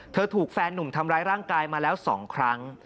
ถูกแฟนหนุ่มทำร้ายร่างกายมาแล้ว๒ครั้ง